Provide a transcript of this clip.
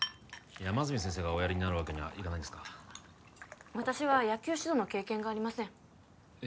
山住先生がおやりになるわけにはいかないんですか私は野球指導の経験がありませんえっ